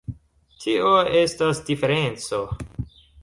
Tio estas diferenco.